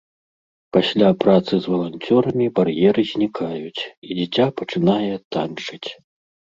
Пасля працы з валанцёрамі бар'еры знікаюць, і дзіця пачынае танчыць.